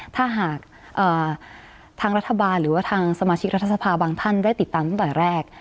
ถ้าหากทางรัฐบาลหรือว่าทางสมาชิกรัฐสภาบางท่านได้ติดตามตั้งแต่แรก